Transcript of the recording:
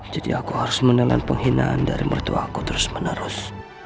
jadi aku harus menelan penghinaan dari mertua aku terus menerus